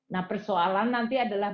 nah persoalan nanti adalah